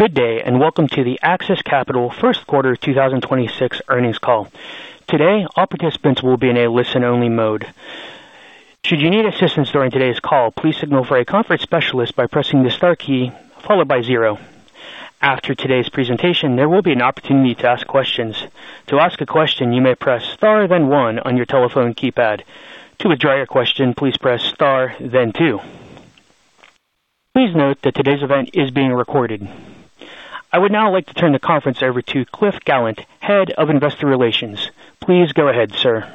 Good day, and welcome to the AXIS Capital First Quarter 2026 earnings call. I would now like to turn the conference over to Cliff Gallant, Head of Investor Relations. Please go ahead, sir.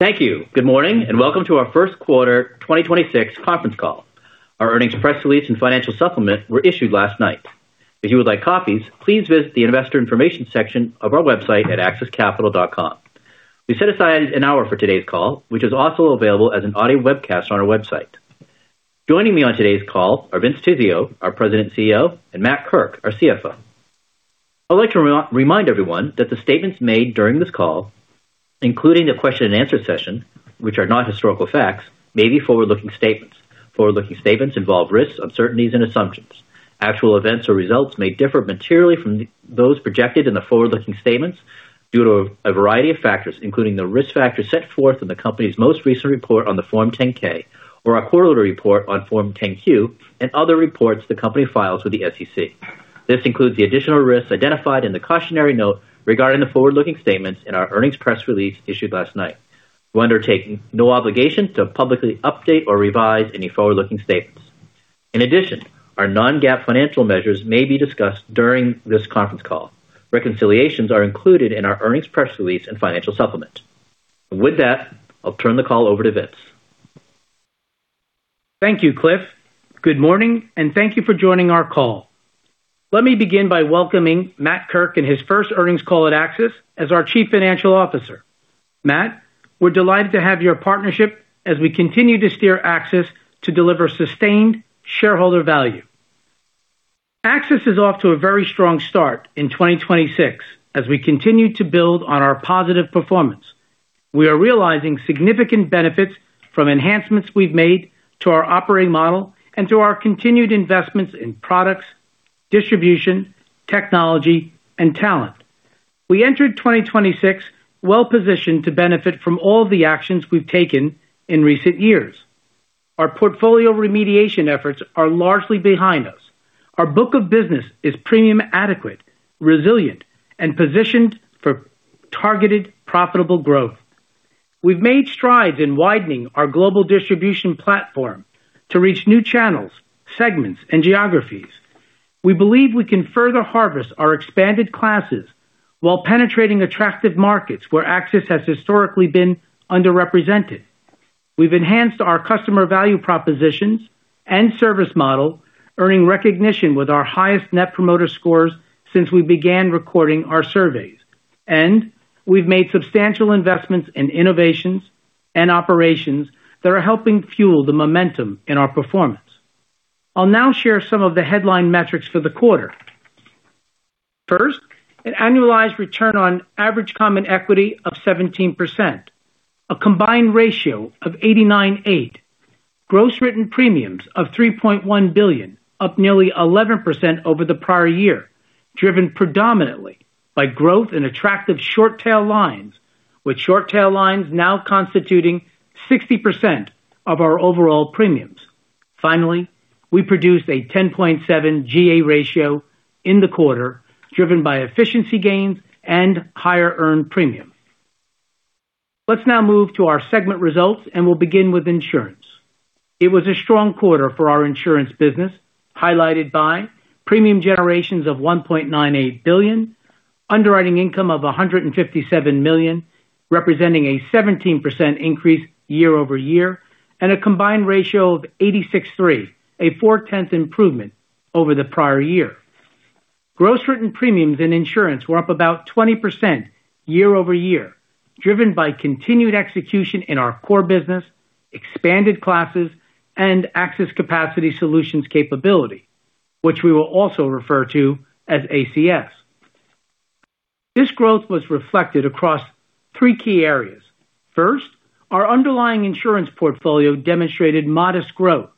Thank you. Good morning, and welcome to our first quarter 2026 conference call. Our earnings press release and financial supplement were issued last night. If you would like copies, please visit the investor information section of our website at axiscapital.com. We set aside one hour for today's call, which is also available as an audio webcast on our website. Joining me on today's call are Vince Tizzio, our President CEO, and Matt Kirk, our CFO. I'd like to remind everyone that the statements made during this call, including the question and answer session, which are not historical facts, may be forward-looking statements. Forward-looking statements involve risks, uncertainties, and assumptions. Actual events or results may differ materially from those projected in the forward-looking statements due to a variety of factors, including the risk factors set forth in the company's most recent report on the Form 10-K or our quarterly report on Form 10-Q and other reports the company files with the SEC. This includes the additional risks identified in the cautionary note regarding the forward-looking statements in our earnings press release issued last night. We undertake no obligation to publicly update or revise any forward-looking statements. In addition, our non-GAAP financial measures may be discussed during this conference call. Reconciliations are included in our earnings press release and financial supplement. With that, I'll turn the call over to Vince. Thank you, Cliff. Good morning, and thank you for joining our call. Let me begin by welcoming Matt Kirk in his first earnings call at AXIS as our Chief Financial Officer. Matt, we're delighted to have your partnership as we continue to steer AXIS to deliver sustained shareholder value. AXIS is off to a very strong start in 2026 as we continue to build on our positive performance. We are realizing significant benefits from enhancements we've made to our operating model and to our continued investments in products, distribution, technology, and talent. We entered 2026 well-positioned to benefit from all the actions we've taken in recent years. Our portfolio remediation efforts are largely behind us. Our book of business is premium adequate, resilient, and positioned for targeted profitable growth. We've made strides in widening our global distribution platform to reach new channels, segments, and geographies. We believe we can further harvest our expanded classes while penetrating attractive markets where AXIS has historically been underrepresented. We've enhanced our customer value propositions and service model, earning recognition with our highest Net Promoter Scores since we began recording our surveys. We've made substantial investments in innovations and operations that are helping fuel the momentum in our performance. I'll now share some of the headline metrics for the quarter. First, an annualized return on average common equity of 17%, a combined ratio of 89.8, gross written premiums of $3.1 billion, up nearly 11% over the prior year, driven predominantly by growth in attractive short tail lines, with short tail lines now constituting 60% of our overall premiums. Finally, we produced a 10.7 GA ratio in the quarter, driven by efficiency gains and higher earned premium. Let's now move to our segment results. We'll begin with insurance. It was a strong quarter for our insurance business, highlighted by premium generations of $1.98 billion, underwriting income of $157 million, representing a 17% increase year-over-year, and a combined ratio of 86.3, a 0.4 improvement over the prior year. Gross written premiums in insurance were up about 20% year-over-year, driven by continued execution in our core business, expanded classes, and AXIS Capacity Solutions capability, which we will also refer to as ACS. This growth was reflected across three key areas. First, our underlying insurance portfolio demonstrated modest growth.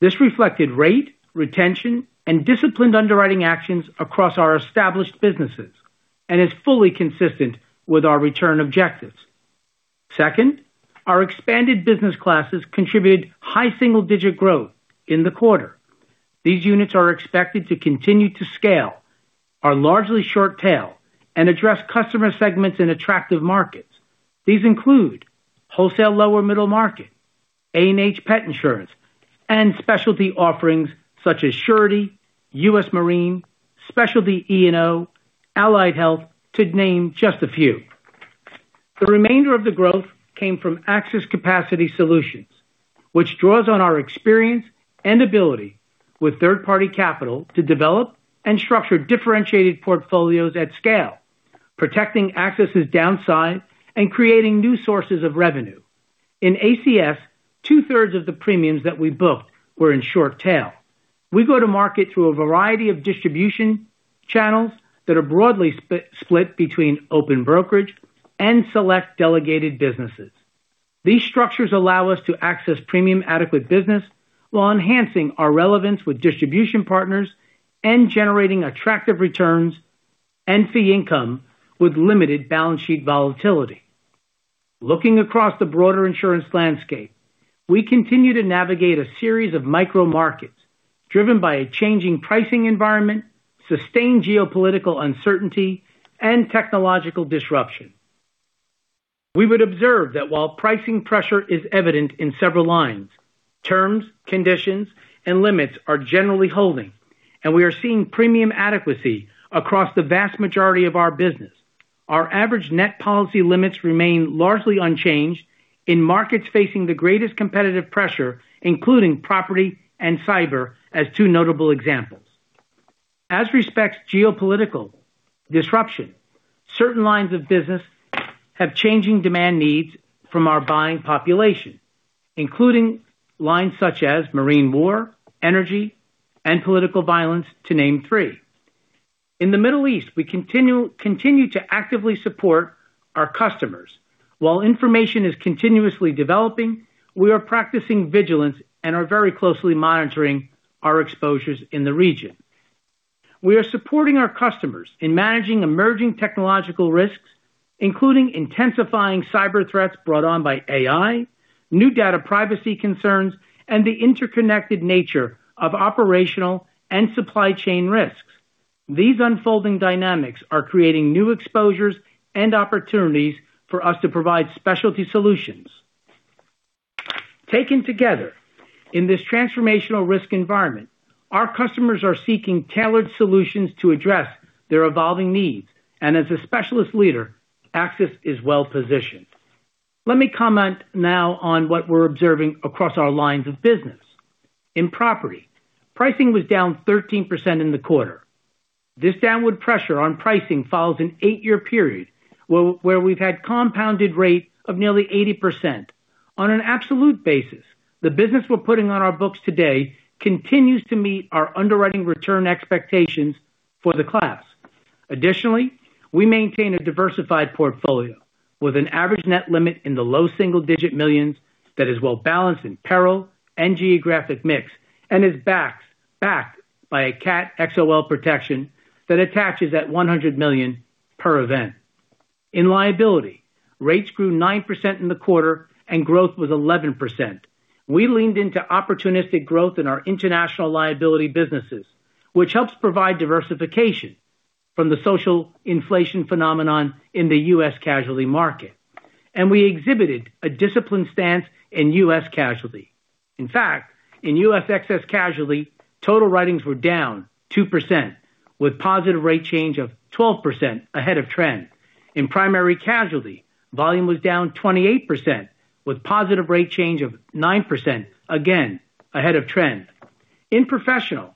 This reflected rate, retention, and disciplined underwriting actions across our established businesses and is fully consistent with our return objectives. Second, our expanded business classes contributed high single-digit growth in the quarter. These units are expected to continue to scale, are largely short tail, and address customer segments in attractive markets. These include wholesale lower middle market, A&H pet insurance, and specialty offerings such as Surety, US Marine, Specialty E&O, Allied Health, to name just a few. The remainder of the growth came from AXIS Capacity Solutions, which draws on our experience and ability with third-party capital to develop and structure differentiated portfolios at scale, protecting AXIS' downside and creating new sources of revenue. In ACS, 2/3 of the premiums that we booked were in short tail. We go to market through a variety of distribution channels that are broadly split between open brokerage and select delegated businesses. These structures allow us to access premium adequate business while enhancing our relevance with distribution partners and generating attractive returns and fee income with limited balance sheet volatility. Looking across the broader insurance landscape, we continue to navigate a series of micro-markets driven by a changing pricing environment, sustained geopolitical uncertainty, and technological disruption. We would observe that while pricing pressure is evident in several lines, terms, conditions, and limits are generally holding, and we are seeing premium adequacy across the vast majority of our business. Our average net policy limits remain largely unchanged in markets facing the greatest competitive pressure, including property and cyber, as two notable examples. As respects geopolitical disruption, certain lines of business have changing demand needs from our buying population, including lines such as marine war, energy, and political violence to name three. In the Middle East, we continue to actively support our customers. While information is continuously developing, we are practicing vigilance and are very closely monitoring our exposures in the region. We are supporting our customers in managing emerging technological risks, including intensifying cyber threats brought on by AI, new data privacy concerns, and the interconnected nature of operational and supply chain risks. These unfolding dynamics are creating new exposures and opportunities for us to provide specialty solutions. Taken together in this transformational risk environment, our customers are seeking tailored solutions to address their evolving needs, and as a specialist leader, AXIS is well-positioned. Let me comment now on what we're observing across our lines of business. In property, pricing was down 13% in the quarter. This downward pressure on pricing follows an eight-year period where we've had compounded rate of nearly 80%. On an absolute basis, the business we're putting on our books today continues to meet our underwriting return expectations for the class. Additionally, we maintain a diversified portfolio with an average net limit in the low single-digit millions that is well-balanced in peril and geographic mix, and is backed by a Catastrophe XOL protection that attaches at $100 million per event. In liability, rates grew 9% in the quarter and growth was 11%. We leaned into opportunistic growth in our international liability businesses, which helps provide diversification from the social inflation phenomenon in the U.S. casualty market. We exhibited a disciplined stance in U.S. casualty. In fact, in U.S. excess casualty, total writings were down 2% with positive rate change of 12% ahead of trend. In primary casualty, volume was down 28% with positive rate change of 9%, again, ahead of trend. In professional,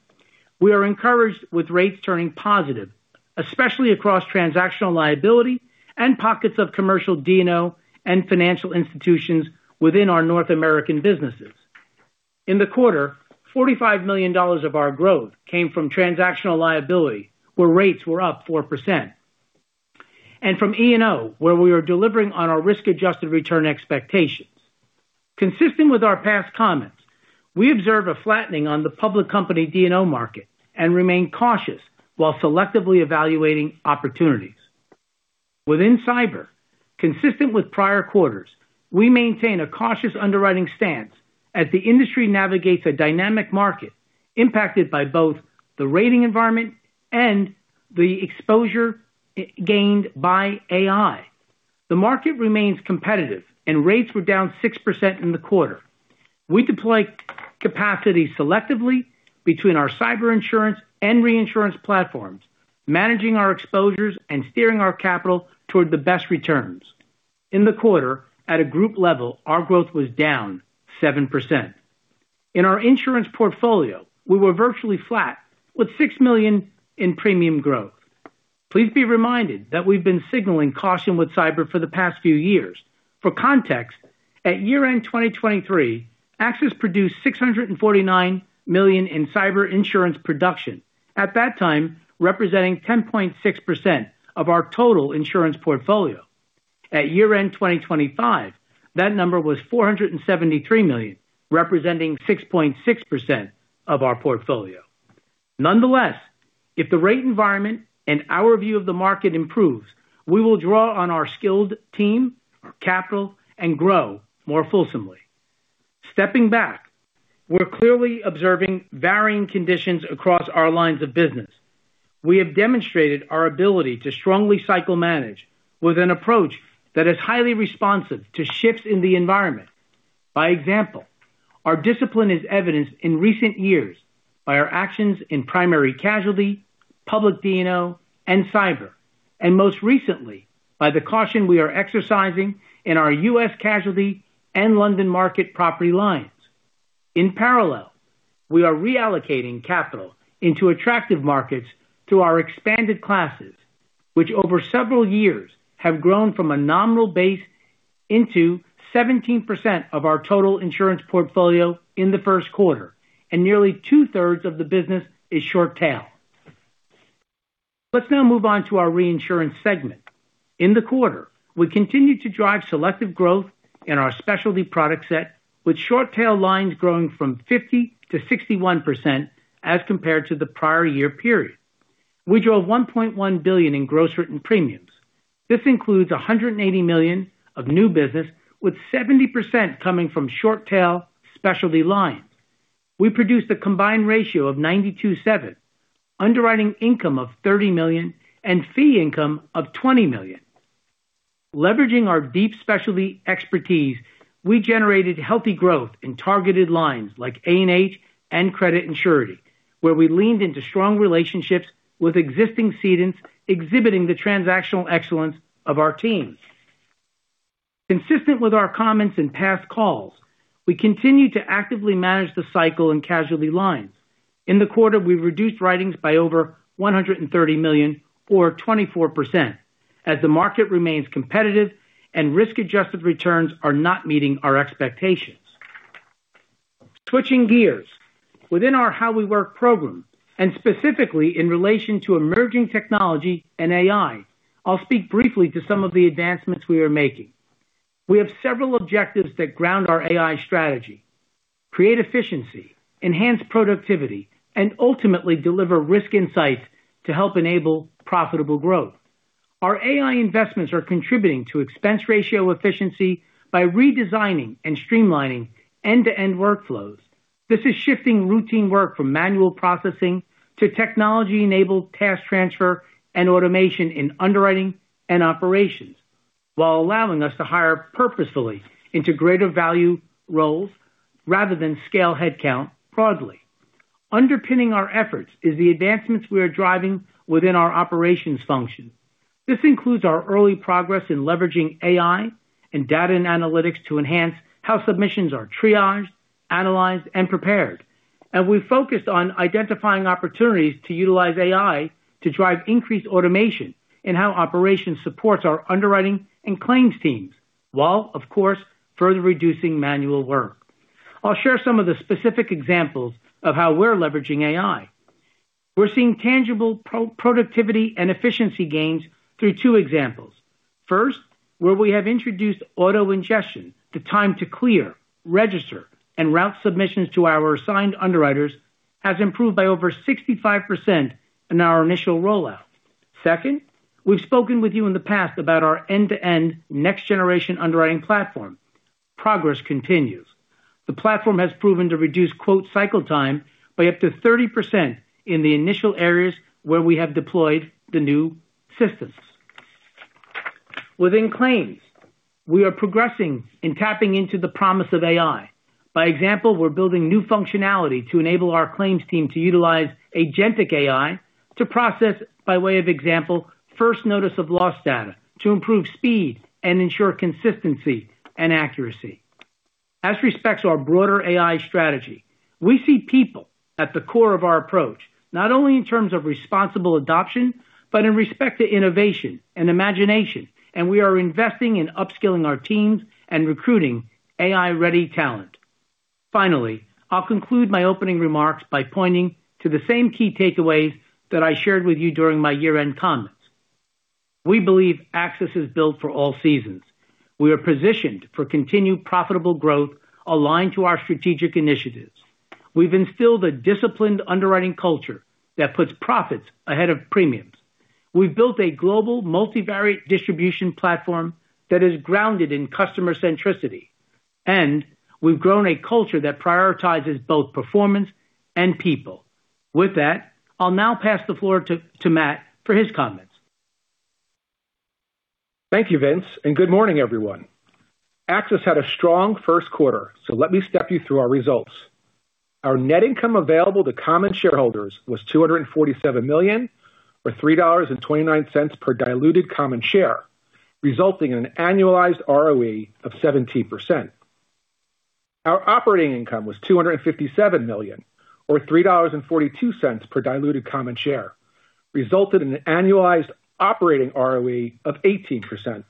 we are encouraged with rates turning positive, especially across transactional liability and pockets of commercial D&O and financial institutions within our North American businesses. In the quarter, $45 million of our growth came from transactional liability, where rates were up 4%. From E&O, where we are delivering on our risk-adjusted return expectations. Consistent with our past comments, we observe a flattening on the public company D&O market and remain cautious while selectively evaluating opportunities. Within cyber, consistent with prior quarters, we maintain a cautious underwriting stance as the industry navigates a dynamic market impacted by both the rating environment and the exposure gained by AI. The market remains competitive and rates were down 6% in the quarter. We deploy capacity selectively between our cyber insurance and reinsurance platforms, managing our exposures and steering our capital toward the best returns. In the quarter, at a group level, our growth was down 7%. In our insurance portfolio, we were virtually flat with $6 million in premium growth. Please be reminded that we've been signaling caution with cyber for the past few years. For context, at year-end 2023, AXIS produced $649 million in cyber insurance production, at that time, representing 10.6% of our total insurance portfolio. At year-end 2025, that number was $473 million, representing 6.6% of our portfolio. Nonetheless, If the rate environment and our view of the market improves, we will draw on our skilled team, our capital, and grow more fulsomely. Stepping back, we're clearly observing varying conditions across our lines of business. We have demonstrated our ability to strongly cycle manage with an approach that is highly responsive to shifts in the environment. By example, our discipline is evidenced in recent years by our actions in primary casualty, public D&O, and cyber, and most recently, by the caution we are exercising in our U.S. casualty and London market property lines. In parallel, we are reallocating capital into attractive markets through our expanded classes, which over several years have grown from a nominal base into 17% of our total insurance portfolio in the first quarter, and nearly two-thirds of the business is short tail. Let's now move on to our reinsurance segment. In the quarter, we continued to drive selective growth in our specialty product set with short tail lines growing from 50%-61% as compared to the prior year period. We drove $1.1 billion in gross written premiums. This includes $180 million of new business with 70% coming from short tail specialty lines. We produced a combined ratio of 92.7, underwriting income of $30 million, and fee income of $20 million. Leveraging our deep specialty expertise, we generated healthy growth in targeted lines like A&H and credit and Surety, where we leaned into strong relationships with existing cedents exhibiting the transactional excellence of our teams. Consistent with our comments in past calls, we continue to actively manage the cycle and casualty lines. In the quarter, we reduced writings by over $130 million or 24% as the market remains competitive and risk-adjusted returns are not meeting our expectations. Switching gears, within our How We Work program, and specifically in relation to emerging technology and AI, I'll speak briefly to some of the advancements we are making. We have several objectives that ground our AI strategy, create efficiency, enhance productivity, and ultimately deliver risk insights to help enable profitable growth. Our AI investments are contributing to expense ratio efficiency by redesigning and streamlining end-to-end workflows. This is shifting routine work from manual processing to technology-enabled task transfer and automation in underwriting and operations, while allowing us to hire purposefully into greater value roles rather than scale headcount broadly. Underpinning our efforts is the advancements we are driving within our operations function. This includes our early progress in leveraging AI and data and analytics to enhance how submissions are triaged, analyzed, and prepared. We've focused on identifying opportunities to utilize AI to drive increased automation in how operations supports our underwriting and claims teams, while of course, further reducing manual work. I'll share some of the specific examples of how we're leveraging AI. We're seeing tangible pro-productivity and efficiency gains through two examples. First, where we have introduced auto ingestion, the time to clear, register, and route submissions to our assigned underwriters has improved by over 65% in our initial rollout. Second, we've spoken with you in the past about our end-to-end next generation underwriting platform. Progress continues. The platform has proven to reduce quote cycle time by up to 30% in the initial areas where we have deployed the new systems. Within claims, we are progressing in tapping into the promise of AI. By example, we're building new functionality to enable our claims team to utilize agentic AI to process, by way of example, first notice of loss data to improve speed and ensure consistency and accuracy. As respects to our broader AI strategy, we see people at the core of our approach, not only in terms of responsible adoption, but in respect to innovation and imagination. We are investing in upskilling our teams and recruiting AI-ready talent. Finally, I'll conclude my opening remarks by pointing to the same key takeaways that I shared with you during my year-end comments. We believe AXIS is built for all seasons. We are positioned for continued profitable growth aligned to our strategic initiatives. We've instilled a disciplined underwriting culture that puts profits ahead of premiums. We've built a global multivariate distribution platform that is grounded in customer centricity. We've grown a culture that prioritizes both performance and people. With that, I'll now pass the floor to Matt for his comments. Thank you, Vince, and good morning, everyone. AXIS had a strong first quarter. Let me step you through our results. Our net income available to common shareholders was $247 million or $3.29 per diluted common share, resulting in an annualized ROE of 17%. Our operating income was $257 million or $3.42 per diluted common share, resulted in an annualized operating ROE of 18%.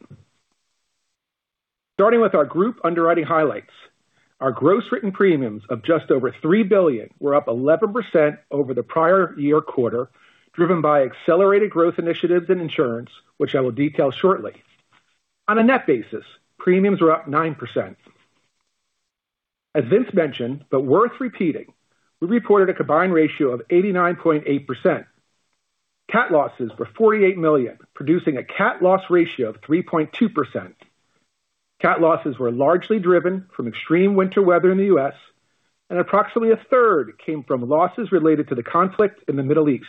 Starting with our group underwriting highlights. Our gross written premiums of just over $3 billion were up 11% over the prior year quarter, driven by accelerated growth initiatives and insurance, which I will detail shortly. On a net basis, premiums were up 9%. Vince mentioned, but worth repeating, we reported a combined ratio of 89.8%. Cat losses were $48 million, producing a cat loss ratio of 3.2%. Cat losses were largely driven from extreme winter weather in the U.S. Approximately a third came from losses related to the conflict in the Middle East.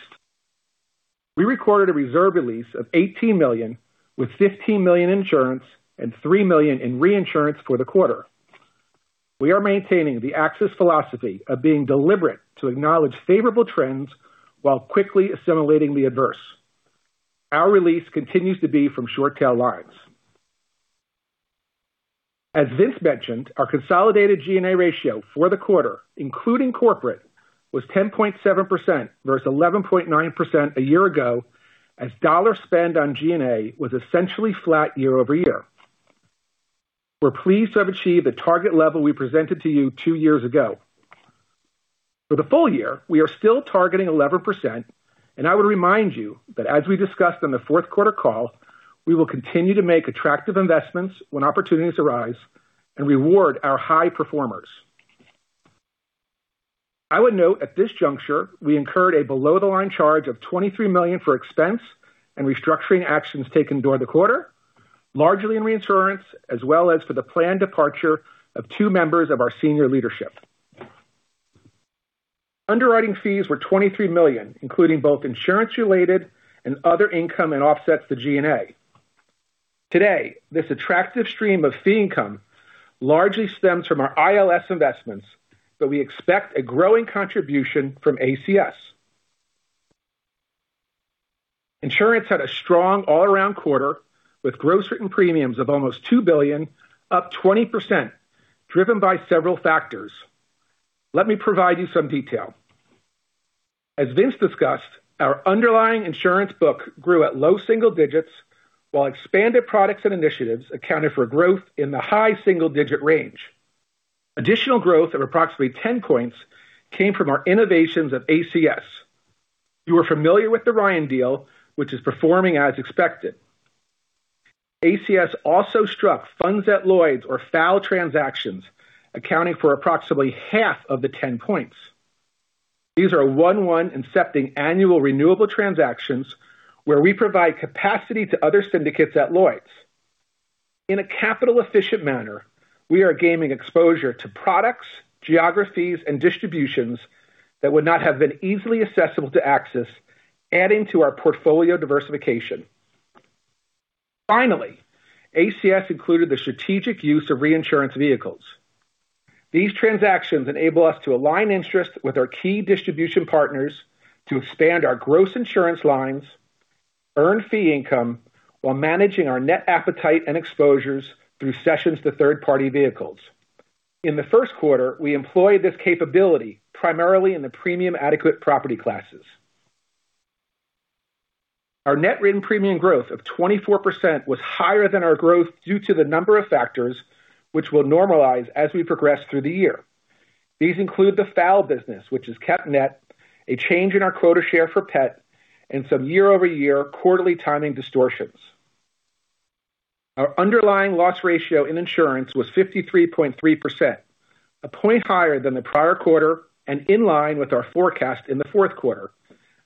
We recorded a reserve release of $18 million with $15 million in insurance and $3 million in reinsurance for the quarter. We are maintaining the AXIS philosophy of being deliberate to acknowledge favorable trends while quickly assimilating the adverse. Our release continues to be from short tail lines. As Vince mentioned, our consolidated G&A ratio for the quarter, including corporate, was 10.7% versus 11.9% a year ago, as dollars spent on G&A was essentially flat year-over-year. We're pleased to have achieved the target level we presented to you two years ago. For the full year, we are still targeting 11%. I would remind you that as we discussed on the 4th quarter call, we will continue to make attractive investments when opportunities arise and reward our high performers. I would note at this juncture, we incurred a below-the-line charge of $23 million for expense and restructuring actions taken during the quarter, largely in reinsurance as well as for the planned departure of two members of our senior leadership. Underwriting fees were $23 million, including both insurance-related and other income. Offsets to G&A. Today, this attractive stream of fee income largely stems from our ILS investments, but we expect a growing contribution from ACS. Insurance had a strong all-around quarter with gross written premiums of almost $2 billion, up 20%, driven by several factors. Let me provide you some detail. As Vince discussed, our underlying insurance book grew at low single digits while expanded products and initiatives accounted for growth in the high single-digit range. Additional growth of approximately 10 points came from our innovations at ACS. You are familiar with the Ryan deal, which is performing as expected. ACS also struck Funds at Lloyd's or FAL transactions, accounting for approximately half of the 10 points. These are 1-1 incepting annual renewable transactions where we provide capacity to other syndicates at Lloyd's. In a capital-efficient manner, we are gaining exposure to products, geographies, and distributions that would not have been easily accessible to AXIS, adding to our portfolio diversification. Finally, ACS included the strategic use of reinsurance vehicles. These transactions enable us to align interests with our key distribution partners to expand our gross insurance lines, earn fee income while managing our net appetite and exposures through sessions to third-party vehicles. In the first quarter, we employed this capability primarily in the premium adequate property classes. Our net written premium growth of 24% was higher than our growth due to a number of factors which will normalize as we progress through the year. These include the FAL business, which has kept net a change in our quota share for P&C and some year-over-year quarterly timing distortions. Our underlying loss ratio in insurance was 53.3%, a point higher than the prior quarter and in line with our forecast in the fourth quarter.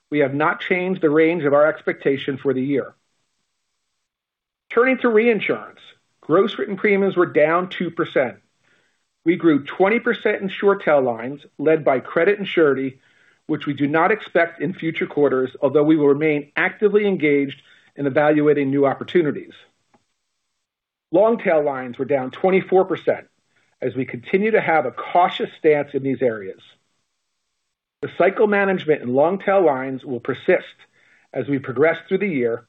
We have not changed the range of our expectations for the year. Turning to reinsurance. Gross written premiums were down 2%. We grew 20% in short tail lines led by credit and Surety, which we do not expect in future quarters, although we will remain actively engaged in evaluating new opportunities. Long-tail lines were down 24% as we continue to have a cautious stance in these areas. The cycle management and long-tail lines will persist as we progress through the year.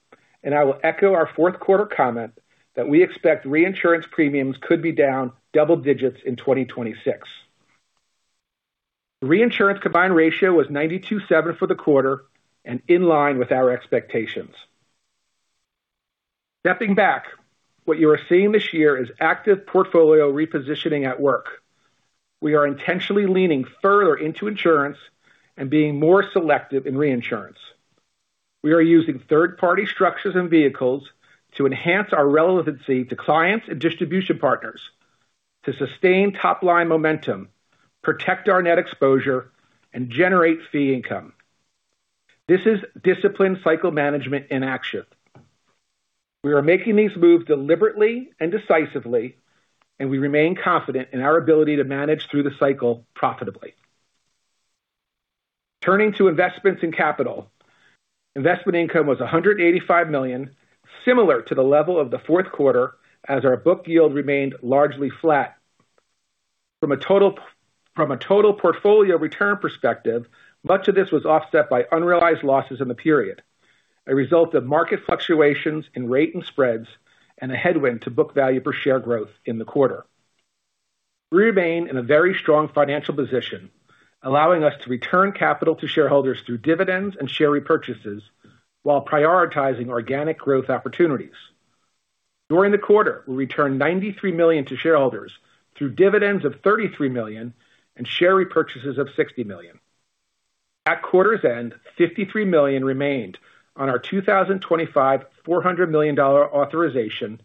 I will echo our fourth quarter comment that we expect reinsurance premiums could be down double digits in 2026. The reinsurance combined ratio was 92.7 for the quarter and in line with our expectations. Stepping back, what you are seeing this year is active portfolio repositioning at work. We are intentionally leaning further into insurance and being more selective in reinsurance. We are using third-party structures and vehicles to enhance our relevancy to clients and distribution partners to sustain top-line momentum, protect our net exposure, and generate fee income. This is disciplined cycle management in action. We are making these moves deliberately and decisively, and we remain confident in our ability to manage through the cycle profitably. Turning to investments in capital. Investment income was $185 million, similar to the level of the fourth quarter as our book yield remained largely flat. From a total portfolio return perspective, much of this was offset by unrealized losses in the period, a result of market fluctuations in rate and spreads, and a headwind to book value per share growth in the quarter. We remain in a very strong financial position, allowing us to return capital to shareholders through dividends and share repurchases while prioritizing organic growth opportunities. During the quarter, we returned $93 million to shareholders through dividends of $33 million and share repurchases of $60 million. At quarter's end, $53 million remained on our 2025 $400 million authorization,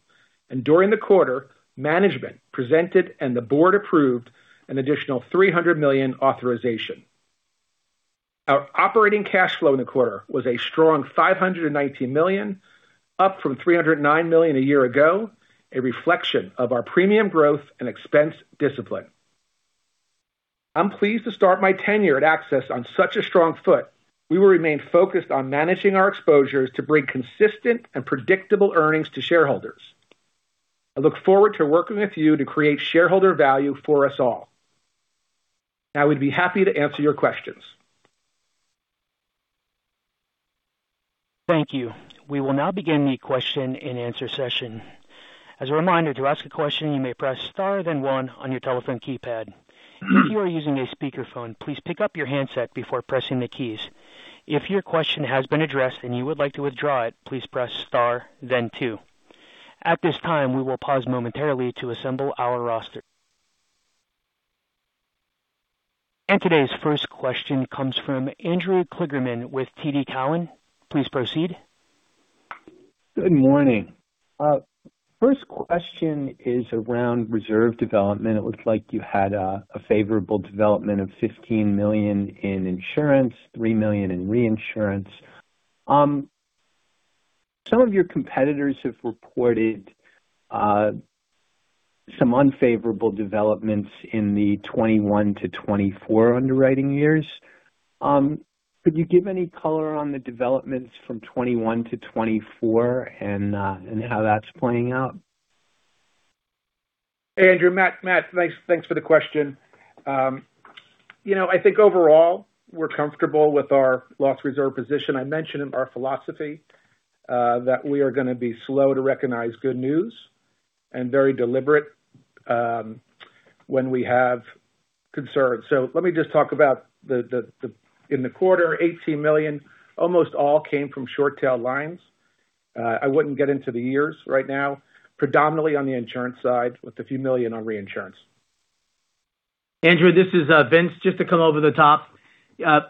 and during the quarter, management presented and the board approved an additional $300 million authorization. Our operating cash flow in the quarter was a strong $519 million, up from $309 million a year ago, a reflection of our premium growth and expense discipline. I'm pleased to start my tenure at AXIS on such a strong foot. We will remain focused on managing our exposures to bring consistent and predictable earnings to shareholders. I look forward to working with you to create shareholder value for us all. We'd be happy to answer your questions. Thank you. We will now begin the question-and-answer session. Today's first question comes from Andrew Kligerman with TD Cowen. Good morning. First question is around reserve development. It looks like you had a favorable development of $15 million in insurance, $3 million in reinsurance. Some of your competitors have reported some unfavorable developments in the 2021 to 2024 underwriting years. Could you give any color on the developments from 2021 to 2024 and how that's playing out? Andrew, Matt, thanks for the question. you know, I think overall, we're comfortable with our loss reserve position. I mentioned in our philosophy that we are gonna be slow to recognize good news and very deliberate when we have concerns. Let me just talk about the quarter, $18 million almost all came from short tail lines. I wouldn't get into the years right now. Predominantly on the insurance side with a few million on reinsurance. Andrew, this is Vince. Just to come over the top.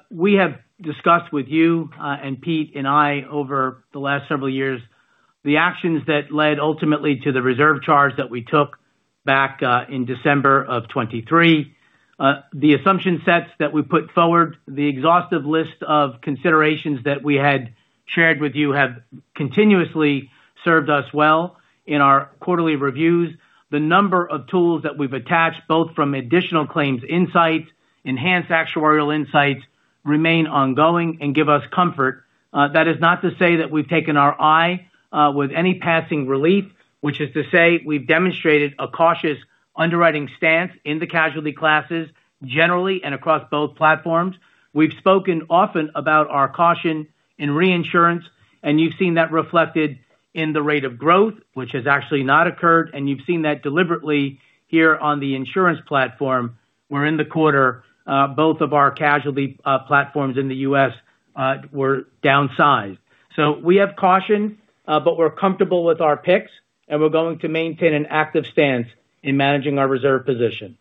We have discussed with you, and Pete and I over the last several years, the actions that led ultimately to the reserve charge that we took back in December of 2023. The assumption sets that we put forward, the exhaustive list of considerations that we had shared with you have continuously served us well in our quarterly reviews. The number of tools that we've attached, both from additional claims insights, enhanced actuarial insights remain ongoing and give us comfort. That is not to say that we've taken our eye with any passing relief, which is to say we've demonstrated a cautious underwriting stance in the casualty classes generally and across both platforms. We've spoken often about our caution in reinsurance, and you've seen that reflected in the rate of growth, which has actually not occurred, and you've seen that deliberately here on the insurance platform, where in the quarter, both of our casualty platforms in the U.S. were downsized. We have caution, but we're comfortable with our picks, and we're going to maintain an active stance in managing our reserve position.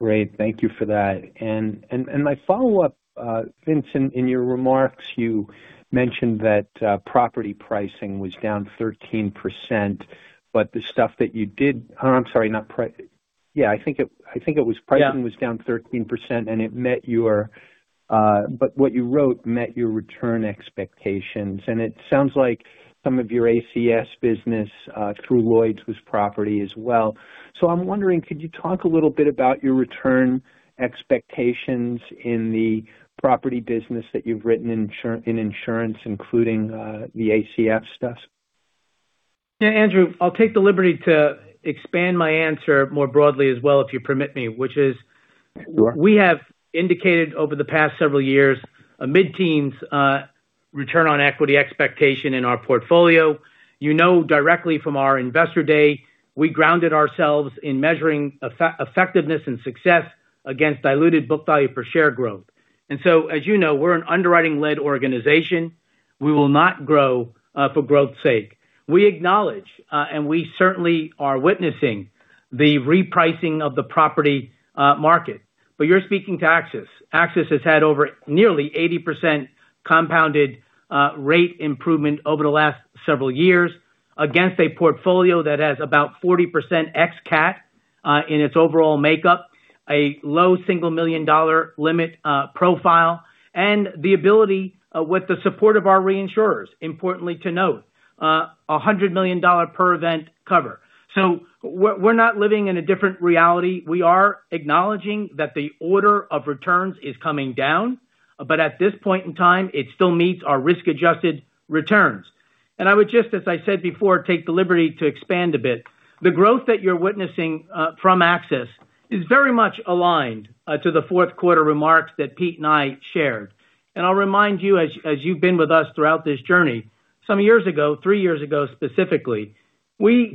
Great. Thank you for that. My follow-up, Vincent, in your remarks, you mentioned that property pricing was down 13%. I'm sorry, Yeah. Yeah. Pricing was down 13%. It met your what you wrote met your return expectations. It sounds like some of your ACS business through Lloyd's was property as well. I'm wondering, could you talk a little bit about your return expectations in the property business that you've written in insurance, including the ACS stuff? Andrew, I'll take the liberty to expand my answer more broadly as well, if you permit me. Sure. We have indicated over the past several years a mid-teens return on equity expectation in our portfolio. You know, directly from our investor day, we grounded ourselves in measuring effectiveness and success against diluted book value per share growth. As you know, we're an underwriting-led organization. We will not grow for growth's sake. We acknowledge, and we certainly are witnessing the repricing of the property market. You're speaking to AXIS. AXIS has had over nearly 80% compounded rate improvement over the last several years against a portfolio that has about 40% ex Cat in its overall makeup, a low single million-dollar limit profile, and the ability with the support of our reinsurers, importantly to note, a $100 million per event cover. We're not living in a different reality. We are acknowledging that the order of returns is coming down, but at this point in time, it still meets our risk-adjusted returns. I would just, as I said before, take the liberty to expand a bit. The growth that you're witnessing, from AXIS is very much aligned, to the fourth quarter remarks that Peter Vogt and I shared. I'll remind you as you've been with us throughout this journey, some years ago, three years ago, specifically, we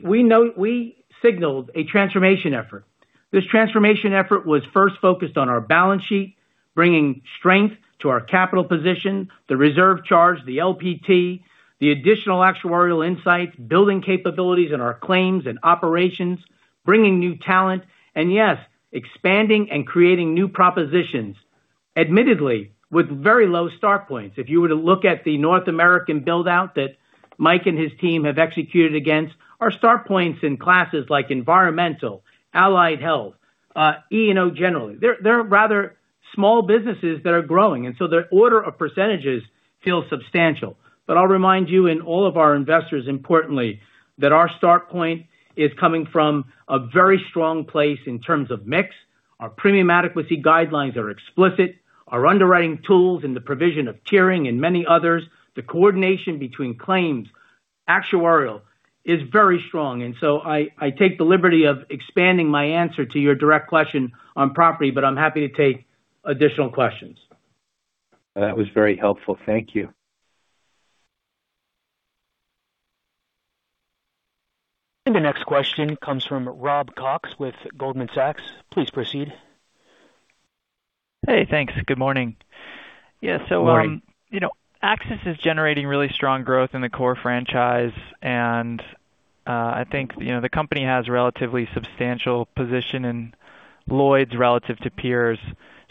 signaled a transformation effort. This transformation effort was first focused on our balance sheet, bringing strength to our capital position, the reserve charge, the LPT, the additional actuarial insights, building capabilities in our claims and operations, bringing new talent, and yes, expanding and creating new propositions, admittedly, with very low start points. If you were to look at the North American build-out that Mike and his team have executed against our start points in classes like environmental, Allied Health, E&O generally. They're rather small businesses that are growing, and so their order of percentages feel substantial. I'll remind you in all of our investors, importantly, that our start point is coming from a very strong place in terms of mix. Our premium adequacy guidelines are explicit. Our underwriting tools and the provision of tiering and many others, the coordination between claims, actuarial is very strong. I take the liberty of expanding my answer to your direct question on property, but I'm happy to take additional questions. That was very helpful. Thank you. The next question comes from Robert Cox with Goldman Sachs. Please proceed. Hey, thanks. Good morning. Yeah. Good morning. You know, AXIS is generating really strong growth in the core franchise, I think, you know, the company has relatively substantial position in Lloyd's relative to peers.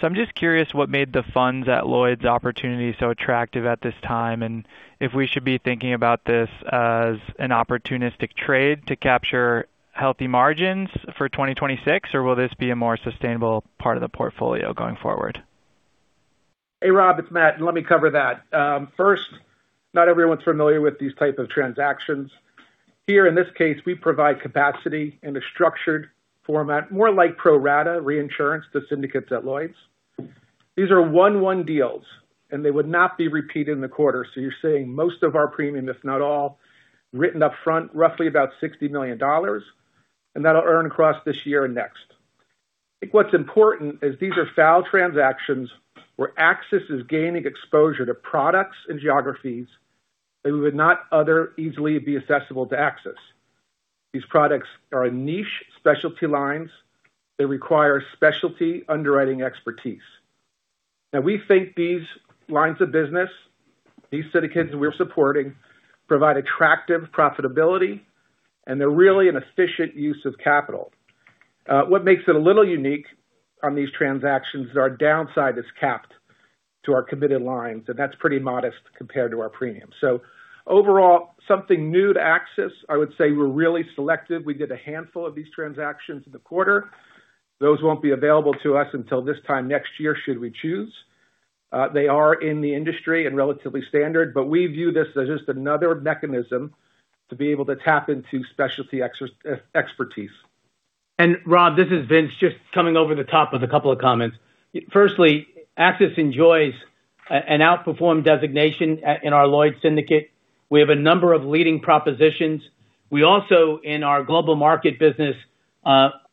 I'm just curious what made the funds at Lloyd's opportunity so attractive at this time, and if we should be thinking about this as an opportunistic trade to capture healthy margins for 2026, or will this be a more sustainable part of the portfolio going forward? Hey, Rob, it's Matt, and let me cover that. First, not everyone's familiar with these type of transactions. Here in this case, we provide capacity in a structured format, more like pro rata reinsurance to syndicates at Lloyd's. These are 1-1 deals, and they would not be repeated in the quarter. You're seeing most of our premium, if not all, written upfront, roughly about $60 million, and that'll earn across this year and next. I think what's important is these are FAL transactions where AXIS is gaining exposure to products and geographies that would not other easily be accessible to AXIS. These products are a niche specialty lines. They require specialty underwriting expertise. Now, we think these lines of business, these syndicates we're supporting, provide attractive profitability, and they're really an efficient use of capital. What makes it a little unique on these transactions is our downside is capped to our committed lines, and that's pretty modest compared to our premium. Overall, something new to AXIS. I would say we're really selective. We did a handful of these transactions in the quarter. Those won't be available to us until this time next year, should we choose. They are in the industry and relatively standard, but we view this as just another mechanism to be able to tap into specialty expertise. Rob, this is Vince, just coming over the top with a couple of comments. Firstly, AXIS enjoys an outperform designation in our Lloyd's syndicate. We have a number of leading propositions. We also, in our global market business,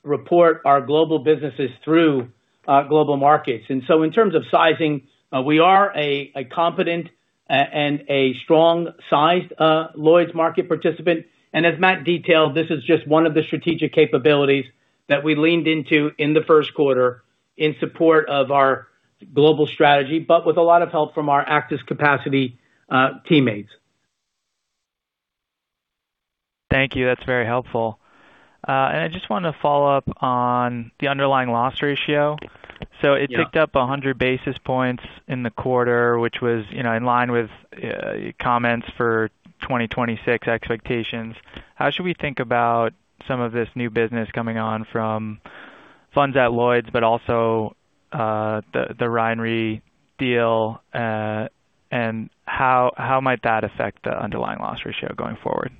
report our global businesses through global markets. In terms of sizing, we are a competent and a strong sized Lloyd's market participant. As Matt detailed, this is just one of the strategic capabilities that we leaned into in the first quarter in support of our global strategy, but with a lot of help from our AXIS capacity teammates. Thank you. That's very helpful. I just wanted to follow up on the underlying loss ratio. Yeah. It ticked up 100 basis points in the quarter, which was, you know, in line with comments for 2026 expectations. How should we think about some of this new business coming on from funds at Lloyd's, but also the Ryan Re deal, and how might that affect the underlying loss ratio going forward?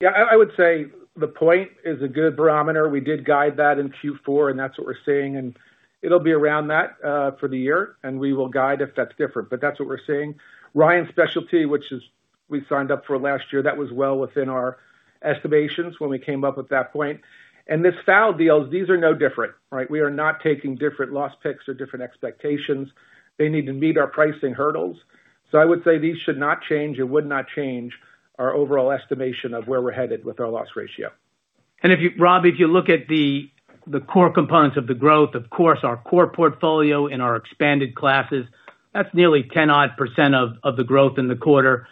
Yeah, I would say the point is a good barometer. We did guide that in Q4, and that's what we're seeing, and it'll be around that for the year, and we will guide if that's different, but that's what we're seeing. Ryan Specialty, which is we signed up for last year, that was well within our estimations when we came up with that point. This FAL deals, these are no different, right? We are not taking different loss picks or different expectations. They need to meet our pricing hurdles. I would say these should not change and would not change our overall estimation of where we're headed with our loss ratio. Rob, if you look at the core components of the growth, of course, our core portfolio and our expanded classes, that's nearly 10 odd % of the growth in the quarter.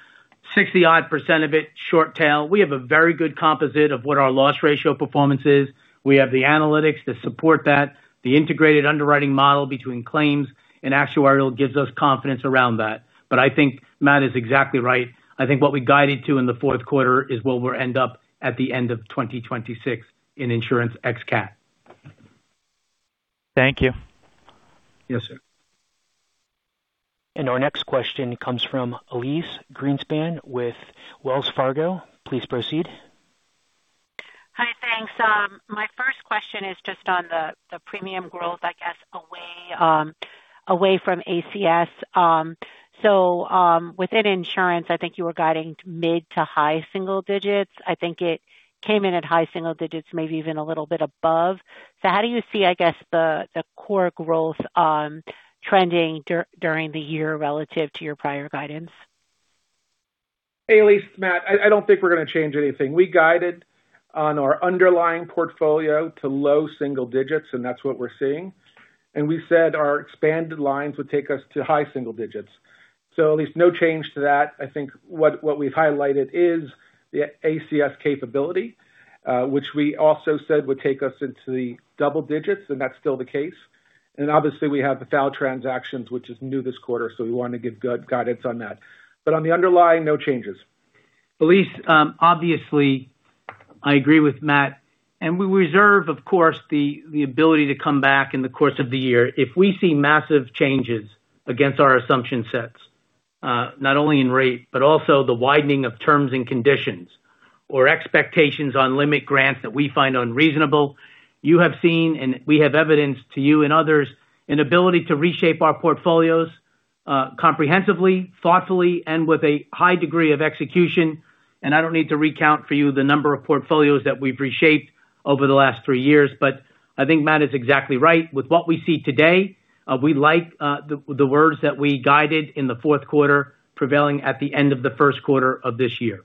60 odd % of it, short tail. We have a very good composite of what our loss ratio performance is. We have the analytics to support that. The integrated underwriting model between claims and actuarial gives us confidence around that. I think Matt is exactly right. I think what we guided to in the fourth quarter is where we'll end up at the end of 2026 in insurance ex Cat. Thank you. Yes, sir. Our next question comes from Elyse Greenspan with Wells Fargo. Please proceed. Hi, thanks. My first question is just on the premium growth, I guess, away from ACS. Within insurance, I think you were guiding mid to high single digits. I think it came in at high single digits, maybe even a little bit above. How do you see, I guess, the core growth, trending during the year relative to your prior guidance? Hey, Elyse, Matt. I don't think we're going to change anything. We guided on our underlying portfolio to low single-digits, that is what we are seeing. We said our expanded lines would take us to high single-digits. Elyse, no change to that. I think what we have highlighted is the ACS capability, which we also said would take us into the double-digits, that is still the case. Obviously, we have the FAL transactions, which is new this quarter, we want to give good guidance on that. On the underlying, no changes. Elyse, obviously, I agree with Matt. We reserve, of course, the ability to come back in the course of the year. If we see massive changes against our assumption sets, not only in rate, but also the widening of terms and conditions or expectations on limit grants that we find unreasonable, you have seen, and we have evidenced to you and others, an ability to reshape our portfolios, comprehensively, thoughtfully, and with a high degree of execution. I don't need to recount for you the number of portfolios that we've reshaped over the last three years. I think Matt is exactly right. With what we see today, we like the words that we guided in the fourth quarter prevailing at the end of the first quarter of this year.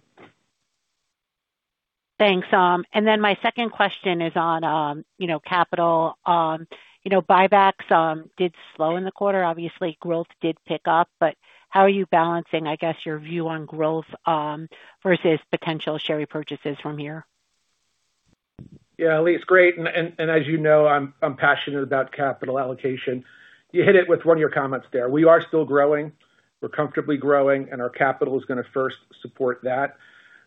Thanks. My second question is on, you know, capital. You know, buybacks did slow in the quarter. Obviously, growth did pick up. How are you balancing, I guess, your view on growth versus potential share repurchases from here? Yeah, Elyse, great. As you know, I'm passionate about capital allocation. You hit it with one of your comments there. We are still growing. We're comfortably growing, our capital is gonna first support that.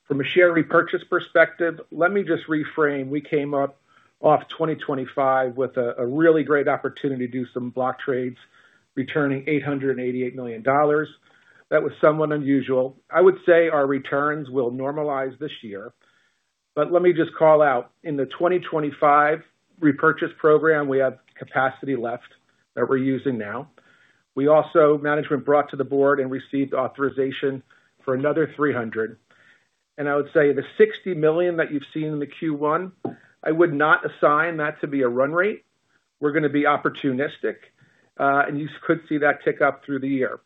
From a share repurchase perspective, let me just reframe. We came up off 2025 with a really great opportunity to do some block trades, returning $888 million. That was somewhat unusual. I would say our returns will normalize this year. Let me just call out, in the 2025 repurchase program, we have capacity left that we're using now. We also management brought to the Board and received authorization for another $300 million. I would say the $60 million that you've seen in the Q1, I would not assign that to be a run rate. We're gonna be opportunistic, and you could see that tick up through the year.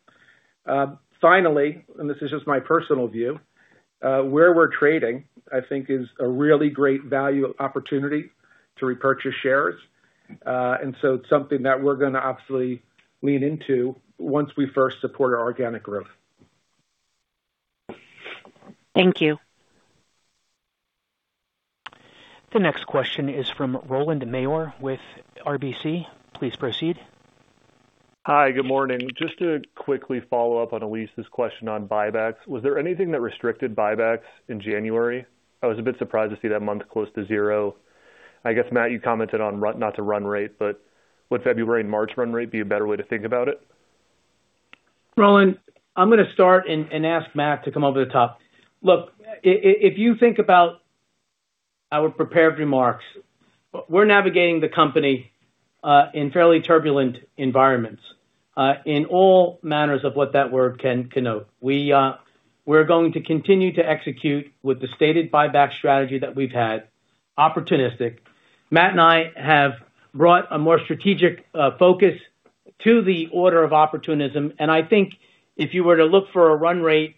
Finally, and this is just my personal view, where we're trading, I think is a really great value opportunity to repurchase shares. It's something that we're gonna obviously lean into once we first support our organic growth. Thank you. The next question is from Rowland Mayor with RBC. Please proceed. Hi, good morning. Just to quickly follow up on Elyse's question on buybacks. Was there anything that restricted buybacks in January? I was a bit surprised to see that month close to zero. I guess, Matt, you commented on not to run rate, but would February and March run rate be a better way to think about it? Rowland, I'm gonna start and ask Matt to come over the top. Look, if you think about our prepared remarks, we're navigating the company in fairly turbulent environments in all manners of what that word can connote. We're going to continue to execute with the stated buyback strategy that we've had, opportunistic. Matt and I have brought a more strategic focus to the order of opportunism. I think if you were to look for a run rate,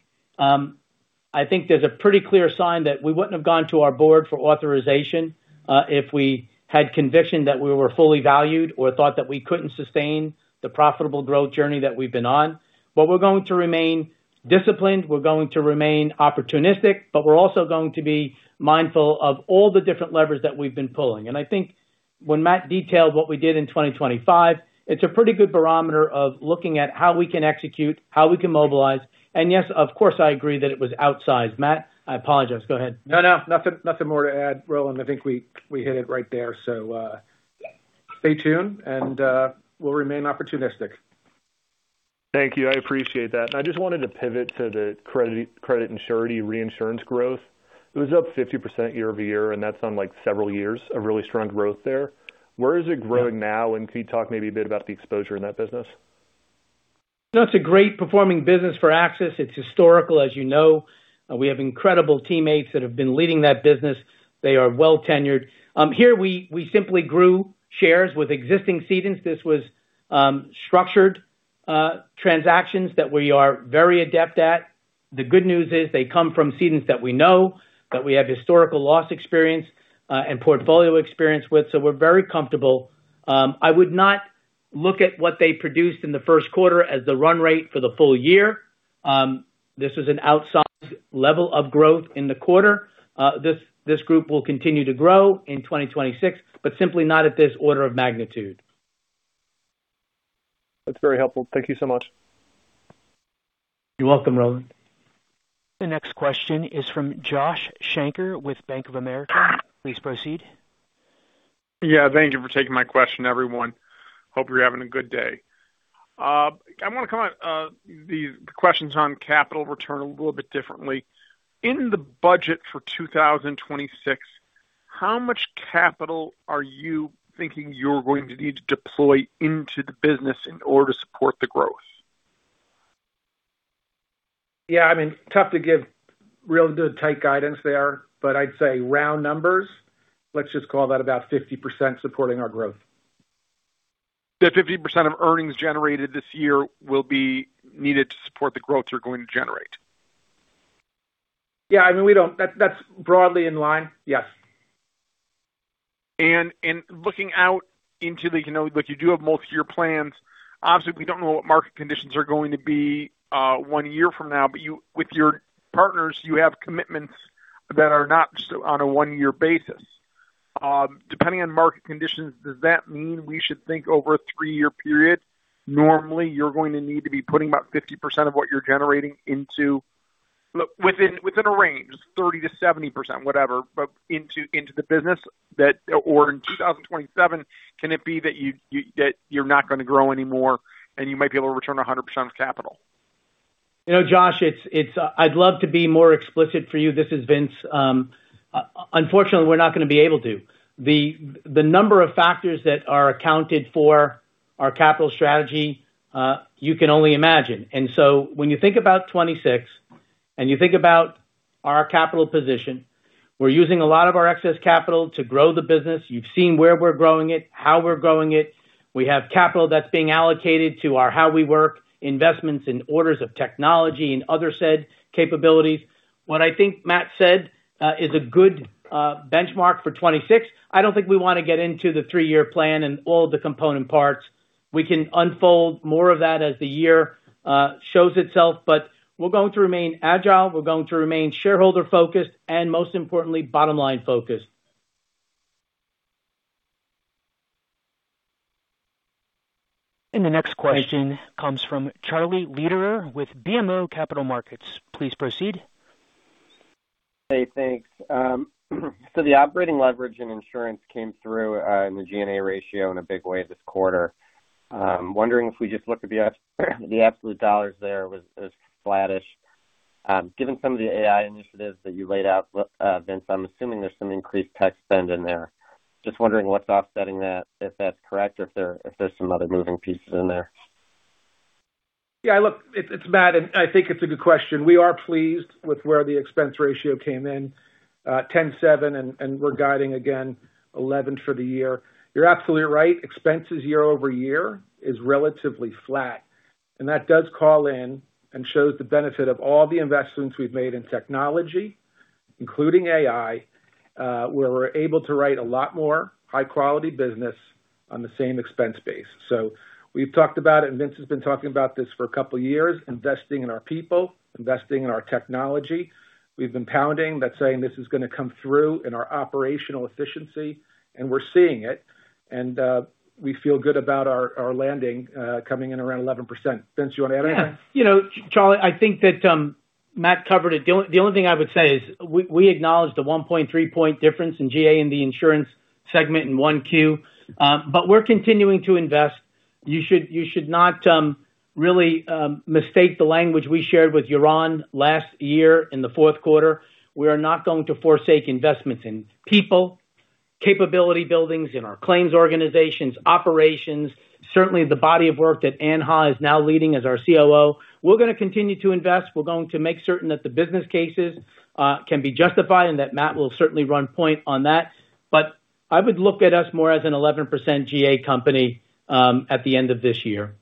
I think there's a pretty clear sign that we wouldn't have gone to our Board for authorization if we had conviction that we were fully valued or thought that we couldn't sustain the profitable growth journey that we've been on. We're going to remain disciplined, we're going to remain opportunistic, but we're also going to be mindful of all the different levers that we've been pulling. I think when Matt detailed what we did in 2025, it's a pretty good barometer of looking at how we can execute, how we can mobilize. Yes, of course, I agree that it was outsized. Matt, I apologize. Go ahead. No, no. Nothing more to add, Rowland. I think we hit it right there. Stay tuned and we'll remain opportunistic. Thank you. I appreciate that. I just wanted to pivot to the credit and Surety reinsurance growth. It was up 50% year-over-year, that's on like several years of really strong growth there. Where is it growing now? Could you talk maybe a bit about the exposure in that business? That's a great performing business for AXIS Capital. It's historical, as you know. We have incredible teammates that have been leading that business. They are well tenured. Here we simply grew shares with existing cedents. This was structured transactions that we are very adept at. The good news is they come from cedents that we know, that we have historical loss experience and portfolio experience with. We're very comfortable. I would not look at what they produced in the first quarter as the run rate for the full year. This is an outsized level of growth in the quarter. This group will continue to grow in 2026, but simply not at this order of magnitude. That's very helpful. Thank you so much. You're welcome, Rowland. The next question is from Josh Shanker with Bank of America. Please proceed. Yeah. Thank you for taking my question, everyone. Hope you're having a good day. I wanna comment the questions on capital return a little bit differently. In the budget for 2026, how much capital are you thinking you're going to need to deploy into the business in order to support the growth? Yeah, I mean, tough to give real good tight guidance there, but I'd say round numbers, let's just call that about 50% supporting our growth. That 50% of earnings generated this year will be needed to support the growth you're going to generate? Yeah, I mean, that's broadly in line. Yes. Looking out into the, you know, like you do have multi-year plans. Obviously, we don't know what market conditions are going to be one year from now, but you, with your partners, you have commitments that are not just on a one-year basis. Depending on market conditions, does that mean we should think over a three-year period, normally, you're going to need to be putting about 50% of what you're generating into a range, 30%-70%, whatever, but into the business that. Or in 2027, can it be that you're not gonna grow anymore and you might be able to return 100% of capital? You know, Josh, it's I'd love to be more explicit for you. This is Vince, unfortunately, we're not gonna be able to. The number of factors that are accounted for our capital strategy, you can only imagine. When you think about 26 and you think about our capital position, we're using a lot of our excess capital to grow the business. You've seen where we're growing it, how we're growing it. We have capital that's being allocated to our How We Work investments in orders of technology and other said capabilities. What I think Matt said is a good benchmark for 26. I don't think we wanna get into the three-year plan and all of the component parts. We can unfold more of that as the year shows itself, but we're going to remain agile, we're going to remain shareholder-focused and most importantly, bottom-line focused. The next question comes from Charlie Lederer with BMO Capital Markets. Please proceed. Hey, thanks. The operating leverage and insurance came through in the G&A ratio in a big way this quarter. Wondering if we just look at the absolute dollars there was flattish. Given some of the AI initiatives that you laid out, Vince, I'm assuming there's some increased tech spend in there. Just wondering what's offsetting that, if that's correct or if there's some other moving pieces in there? Yeah, look, it's Matt. I think it's a good question. We are pleased with where the expense ratio came in, 10.7%. We're guiding again 11% for the year. You're absolutely right. Expenses year-over-year is relatively flat. That does call in and shows the benefit of all the investments we've made in technology, including AI, where we're able to write a lot more high-quality business on the same expense base. We've talked about it. Vince has been talking about this for a couple of years, investing in our people, investing in our technology. We've been pounding that saying this is gonna come through in our operational efficiency. We're seeing it. We feel good about our landing, coming in around 11%. Vince, you want to add anything? Yeah. You know, Charlie, I think that Matt covered it. The only thing I would say is we acknowledge the 1.3 point difference in GA in the insurance segment in 1Q. We're continuing to invest. You should not really mistake the language we shared with Yaron last year in the fourth quarter. We are not going to forsake investments in people, capability buildings, in our claims organizations, operations, certainly the body of work that Ann Haugh is now leading as our COO. We're gonna continue to invest. We're going to make certain that the business cases can be justified and that Matt will certainly run point on that. I would look at us more as an 11% GA company at the end of this year.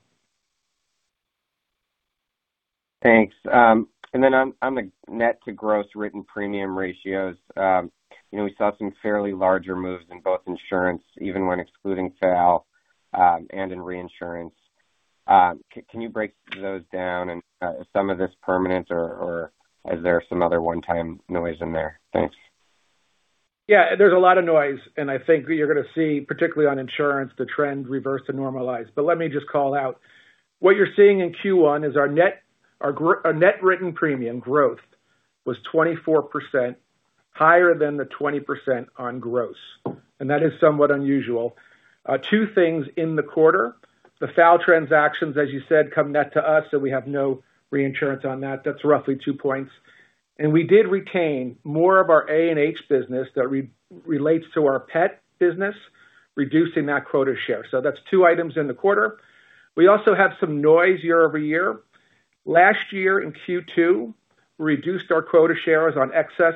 Thanks. On the net to gross written premium ratios, you know, we saw some fairly larger moves in both insurance, even when excluding FAL, and in reinsurance. Can you break those down and some of this permanent or is there some other one-time noise in there? Thanks. Yeah, there's a lot of noise, I think you're gonna see, particularly on insurance, the trend reverse to normalize. Let me just call out. What you're seeing in Q1 is our net written premium growth was 24% higher than the 20% on gross. That is somewhat unusual. two things in the quarter, the FAL transactions, as you said, come net to us, so we have no reinsurance on that. That's roughly two points. We did retain more of our A&H business that relates to our pet business, reducing that quota share. That's two items in the quarter. We also had some noise year-over-year. Last year in Q2, we reduced our quota shares on excess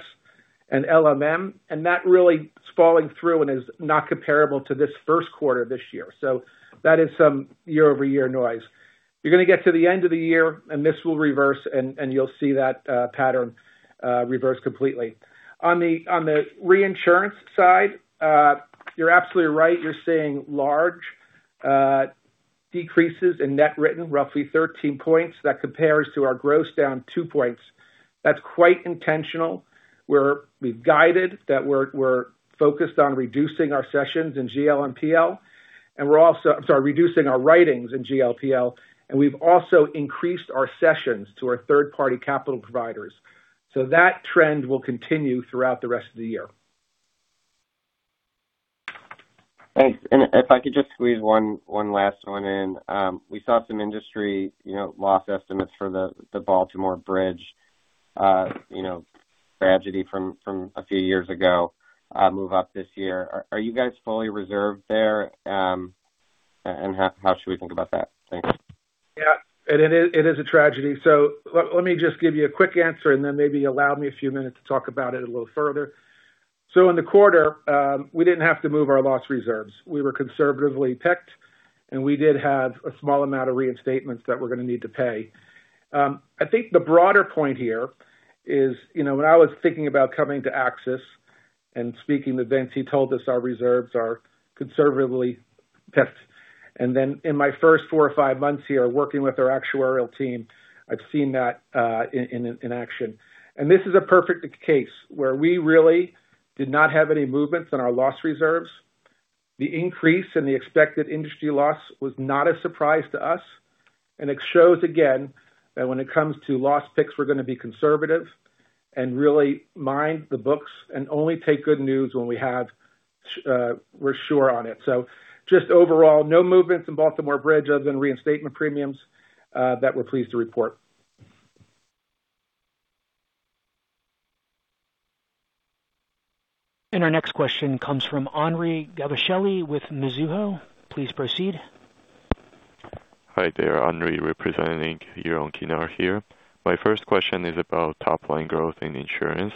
and LMM, and that really is falling through and is not comparable to this first quarter this year. That is some year-over-year noise. You're gonna get to the end of the year, and this will reverse, and you'll see that pattern reverse completely. On the reinsurance side, you're absolutely right. You're seeing large decreases in net written, roughly 13 points. That compares to our gross down two points. That's quite intentional. We've guided that we're focused on reducing our sessions in GL and PL. We're also reducing our writings in GL PL, and we've also increased our sessions to our third-party capital providers. That trend will continue throughout the rest of the year. Thanks. If I could just squeeze one last one in. We saw some industry, you know, loss estimates for the Baltimore Bridge, you know, tragedy from a few years ago, move up this year. Are you guys fully reserved there? How should we think about that? Thanks. It is a tragedy. Let me just give you a quick answer and then maybe allow me a few minutes to talk about it a little further. In the quarter, we didn't have to move our loss reserves. We were conservatively picked, and we did have a small amount of reinstatements that we're gonna need to pay. I think the broader point here is, you know, when I was thinking about coming to AXIS and speaking with Vince, he told us our reserves are conservatively picked. In my first four or five months here, working with our actuarial team, I've seen that in action. This is a perfect case where we really did not have any movements in our loss reserves. The increase in the expected industry loss was not a surprise to us. It shows again that when it comes to loss picks, we're gonna be conservative and really mind the books and only take good news when we're sure on it. Just overall, no movements in Baltimore Bridge other than reinstatement premiums, that we're pleased to report. Our next question comes from Anri Gavasheli with Mizuho. Please proceed. Hi there, Anri, representing here. My first question is about top line growth in insurance.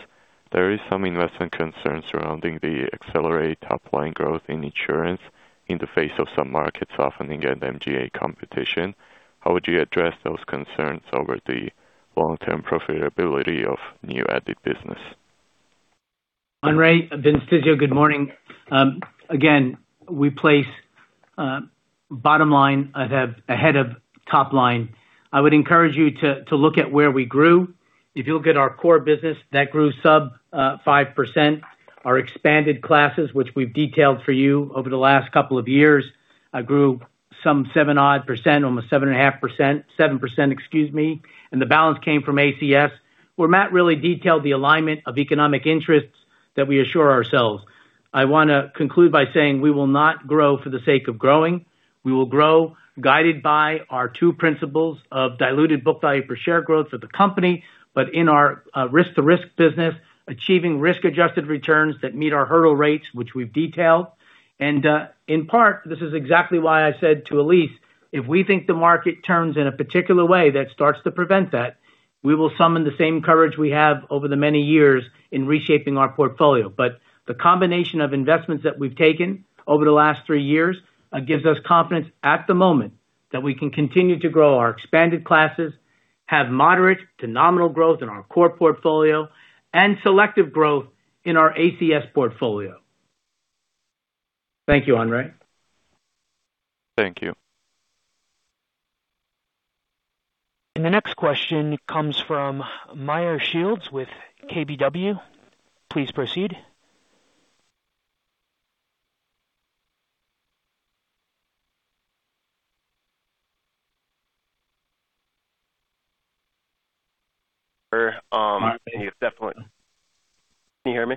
There is some investment concerns surrounding the accelerated top line growth in insurance in the face of some market softening and MGA competition. How would you address those concerns over the long-term profitability of new added business? Anri, Vince Tizzio. Good morning. Again, we place bottom line ahead of top line. I would encourage you to look at where we grew. If you look at our core business, that grew sub 5%. Our expanded classes, which we've detailed for you over the last couple of years, grew some 7% almost 7.5%. 7%, excuse me, the balance came from ACS, where Matt really detailed the alignment of economic interests that we assure ourselves. I wanna conclude by saying we will not grow for the sake of growing. We will grow guided by our two principles of diluted book value per share growth of the company, in our risk-to-risk business, achieving risk-adjusted returns that meet our hurdle rates, which we've detailed. In part, this is exactly why I said to Elyse, if we think the market turns in a particular way that starts to prevent that, we will summon the same coverage we have over the many years in reshaping our portfolio. The combination of investments that we've taken over the last three years gives us confidence at the moment that we can continue to grow our expanded classes, have moderate to nominal growth in our core portfolio, and selective growth in our ACS portfolio. Thank you, Anri. Thank you. The next question comes from Meyer Shields with KBW. Please proceed. Can you hear me?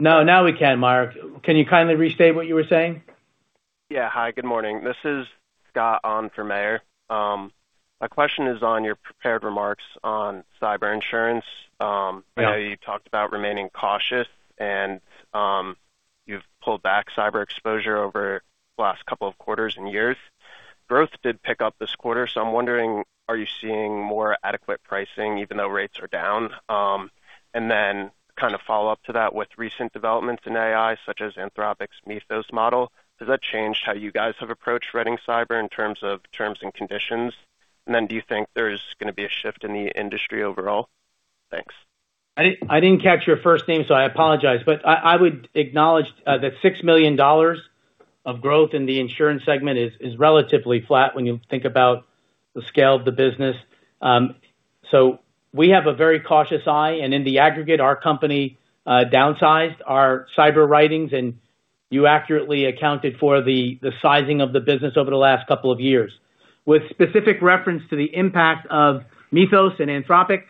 No. Now we can, Meyer. Can you kindly restate what you were saying? Yeah. Hi, good morning. This is Scott on for Meyer. My question is on your prepared remarks on cyber insurance. Yeah. I know you talked about remaining cautious and you've pulled back cyber exposure over the last couple of quarters and years. Growth did pick up this quarter, so I'm wondering, are you seeing more adequate pricing even though rates are down? Kind of follow up to that with recent developments in AI, such as Anthropic's Claude Mythos model, has that changed how you guys have approached writing cyber in terms of terms and conditions? Do you think there's gonna be a shift in the industry overall? Thanks. I didn't, I didn't catch your first name, so I apologize. I would acknowledge that $6 million of growth in the insurance segment is relatively flat when you think about the scale of the business. We have a very cautious eye and in the aggregate, our company downsized our cyber writings, and you accurately accounted for the sizing of the business over the last couple of years. With specific reference to the impact of Mythos and Anthropic,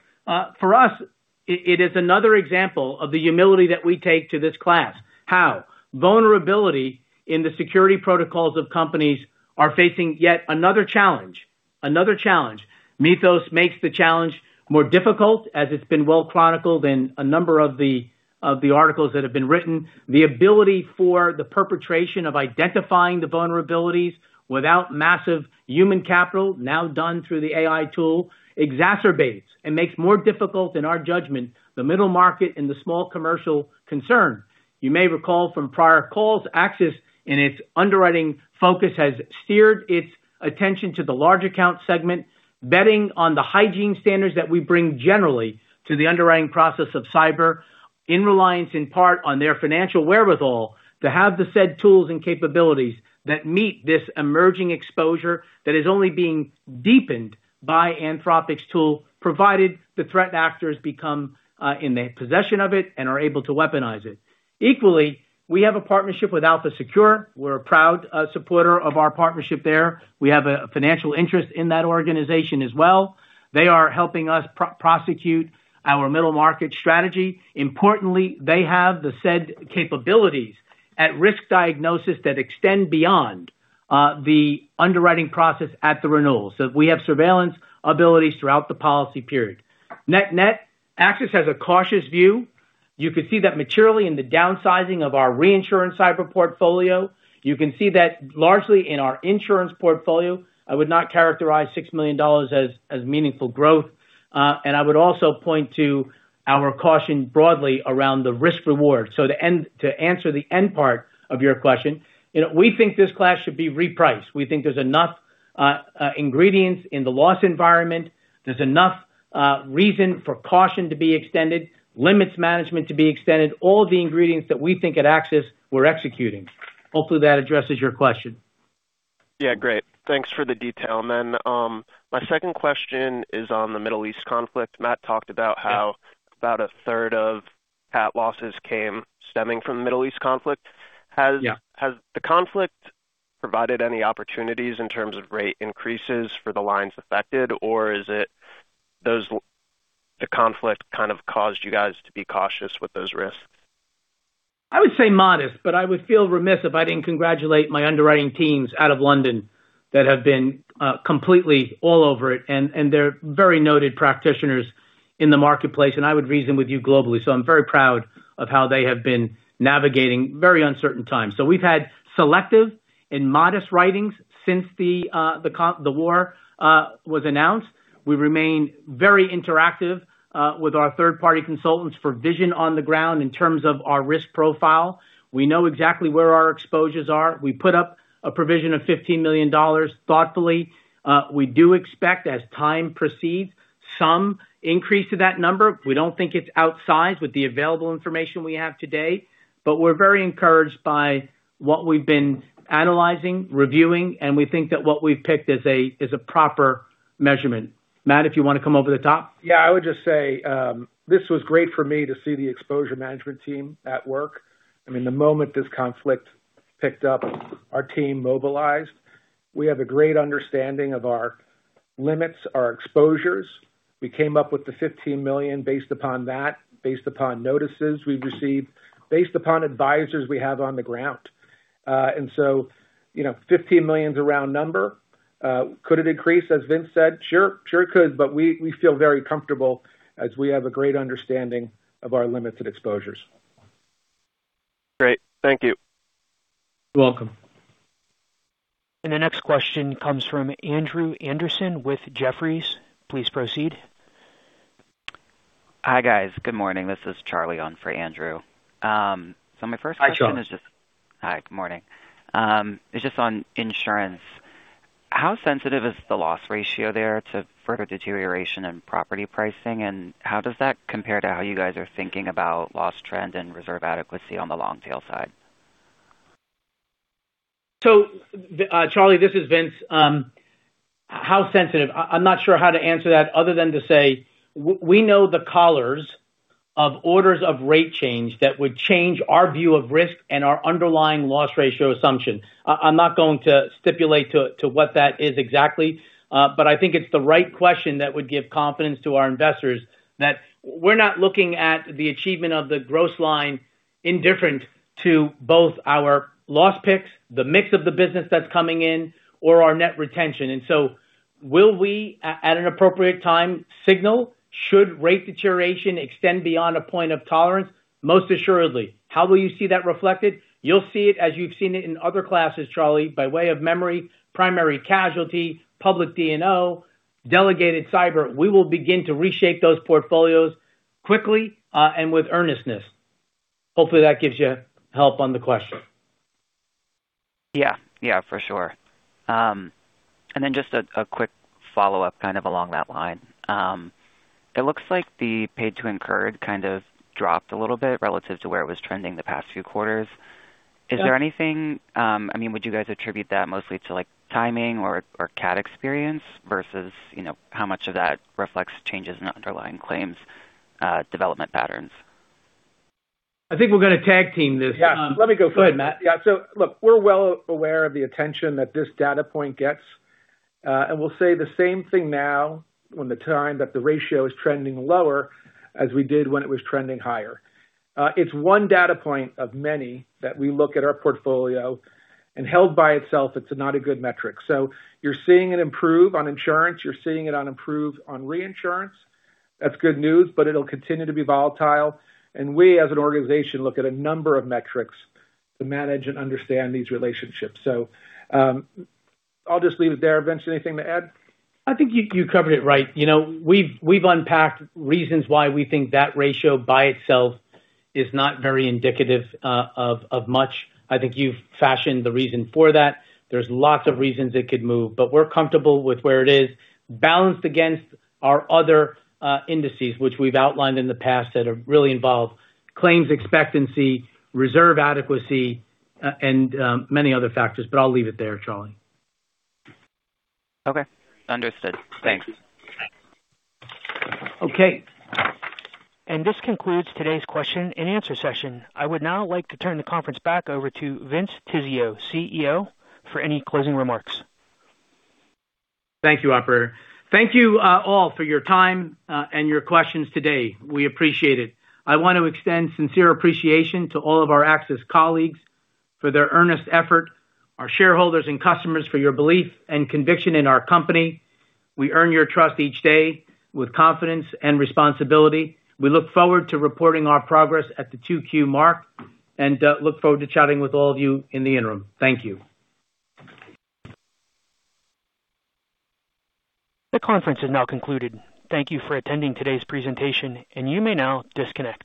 for us, it is another example of the humility that we take to this class. How. Vulnerability in the security protocols of companies are facing yet another challenge. Mythos makes the challenge more difficult, as it's been well chronicled in a number of the articles that have been written. The ability for the perpetration of identifying the vulnerabilities without massive human capital, now done through the AI tool, exacerbates and makes more difficult in our judgment, the middle market and the small commercial concern. You may recall from prior calls, AXIS in its underwriting focus has steered its attention to the large account segment, betting on the hygiene standards that we bring generally to the underwriting process of cyber, in reliance in part on their financial wherewithal to have the said tools and capabilities that meet this emerging exposure that is only being deepened by Anthropic's tool, provided the threat actors become in the possession of it and are able to weaponize it. We have a partnership with Elpha Secure. We're a proud supporter of our partnership there. We have a financial interest in that organization as well. They are helping us prosecute our middle market strategy. Importantly, they have the said capabilities at risk diagnosis that extend beyond the underwriting process at the renewal. We have surveillance abilities throughout the policy period. Net-net, AXIS has a cautious view. You could see that maturely in the downsizing of our reinsurance cyber portfolio. You can see that largely in our insurance portfolio. I would not characterize $6 million as meaningful growth. I would also point to our caution broadly around the risk reward. To answer the end part of your question, you know, we think this class should be repriced. We think there's enough ingredients in the loss environment. There's enough reason for caution to be extended, limits management to be extended, all the ingredients that we think at AXIS we're executing. Hopefully, that addresses your question. Yeah, great. Thanks for the detail. My second question is on the Middle East conflict. Matt talked about how about a third of cat losses came stemming from the Middle East conflict. Yeah. Has the conflict provided any opportunities in terms of rate increases for the lines affected? Or is it the conflict kind of caused you guys to be cautious with those risks? I would say modest, but I would feel remiss if I didn't congratulate my underwriting teams out of London that have been completely all over it, and they're very noted practitioners in the marketplace, I would reason with you globally. I'm very proud of how they have been navigating very uncertain times. We've had selective and modest writings since the war was announced. We remain very interactive with our third-party consultants for vision on the ground in terms of our risk profile. We know exactly where our exposures are. We put up a provision of $15 million thoughtfully. We do expect, as time proceeds, some increase to that number. We don't think it's outsized with the available information we have today. We're very encouraged by what we've been analyzing, reviewing, and we think that what we've picked is a, is a proper measurement. Matt, if you wanna come over the top. Yeah. I would just say, this was great for me to see the exposure management team at work. I mean, the moment this conflict picked up, our team mobilized. We have a great understanding of our limits, our exposures. We came up with the $15 million based upon that, based upon notices we've received, based upon advisors we have on the ground. You know, $15 million's a round number. Could it increase, as Vince said? Sure. Sure it could. We feel very comfortable as we have a great understanding of our limits and exposures. Great. Thank you. You're welcome. The next question comes from Andrew Andersen with Jefferies. Please proceed. Hi, guys. Good morning. This is Charlie on for Andrew. My first question. Hi, Charlie. Hi. Good morning. Is just on insurance. How sensitive is the loss ratio there to further deterioration in property pricing, and how does that compare to how you guys are thinking about loss trend and reserve adequacy on the long tail side? Charlie, this is Vince. How sensitive? I'm not sure how to answer that other than to say we know the calibers of orders of rate change that would change our view of risk and our underlying loss ratio assumption. I'm not going to stipulate to what that is exactly, but I think it's the right question that would give confidence to our investors that we're not looking at the achievement of the gross line indifferent to both our loss picks, the mix of the business that's coming in, or our net retention. Will we at an appropriate time signal should rate deterioration extend beyond a point of tolerance? Most assuredly. How will you see that reflected? You'll see it as you've seen it in other classes, Charlie, by way of memory, primary casualty, public D&O, delegated cyber. We will begin to reshape those portfolios quickly and with earnestness. Hopefully that gives you help on the question. Yeah. Yeah, for sure. Just a quick follow-up kind of along that line. It looks like the paid to incurred kind of dropped a little bit relative to where it was trending the past few quarters. Is there anything, I mean, would you guys attribute that mostly to, like, timing or cat experience versus, you know, how much of that reflects changes in the underlying claims, development patterns? I think we're gonna tag team this. Yeah. Let me go first. Go ahead, Matt. Yeah. Look, we're well aware of the attention that this data point gets, and we'll say the same thing now when the time that the ratio is trending lower as we did when it was trending higher. It's one data point of many that we look at our portfolio, and held by itself, it's not a good metric. You're seeing it improve on insurance, you're seeing it on improve on reinsurance. That's good news, but it'll continue to be volatile. And we, as an organization, look at a number of metrics to manage and understand these relationships. I'll just leave it there. Vince, anything to add? I think you covered it right. You know, we've unpacked reasons why we think that ratio by itself is not very indicative of much. I think you've fashioned the reason for that. There's lots of reasons it could move, but we're comfortable with where it is balanced against our other indices, which we've outlined in the past that really involve claims expectancy, reserve adequacy, and many other factors. I'll leave it there, Charlie. Okay. Understood. Thanks. Okay. This concludes today's question and answer session. I would now like to turn the conference back over to Vince Tizzio, CEO, for any closing remarks. Thank you, operator. Thank you, all for your time, and your questions today. We appreciate it. I want to extend sincere appreciation to all of our AXIS colleagues for their earnest effort, our shareholders and customers for your belief and conviction in our company. We earn your trust each day with confidence and responsibility. We look forward to reporting our progress at the 2Q mark, and look forward to chatting with all of you in the interim. Thank you. The conference is now concluded. Thank you for attending today's presentation, and you may now disconnect.